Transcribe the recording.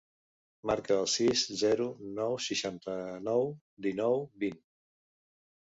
Marca el sis, zero, nou, seixanta-nou, dinou, vint.